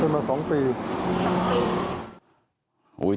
ไม่รู้นะ